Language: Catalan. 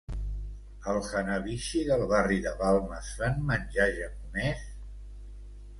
Al Hanabishi del barri de Balmes fan menjar japonés?